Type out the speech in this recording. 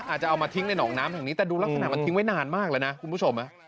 อาจจะเอามาทิ้งในหนองน้ำแห่งนี้แต่ดูลักษณะมันทิ้งไว้นานมากแล้วนะคุณผู้ชม